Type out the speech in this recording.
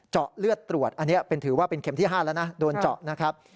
เจาะเลือดตรวจอันนี้ถือว่าเป็นเข็มที่๕แล้วนะโดนเจาะนะครับ